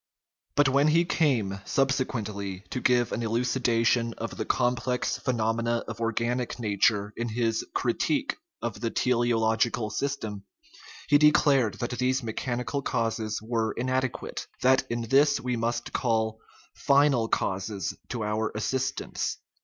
But when he came subsequently to give an elucidation of the complex phenomena of or ganic nature in his critique of the teleological system, he declared that these mechanical causes were inade quate ; that in this we must call final causes to our as sistance.